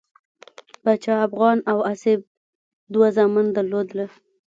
پاچا افغان او آصف دوه زامن درلودل.